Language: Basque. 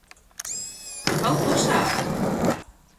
Hau poza!